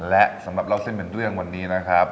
และสำหรับเราเส้นเป็นด้วยอย่างวันนี้นะครับ